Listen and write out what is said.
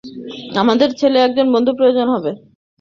আমাদের ছেলের একজন বন্ধু প্রয়োজন হবে।